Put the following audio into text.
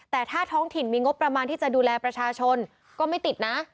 แต่ถ้าท้องถิ่นมีงบประมาณที่จะดูแลประชาชนก็ไม่ติดนะ